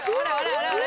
あれあれ？